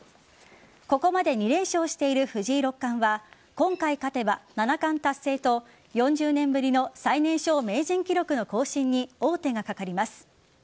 ここまで２連勝している藤井六冠は今回勝てば、七冠達成と４０年ぶりの最年少名人記録の更新に王手がかかります。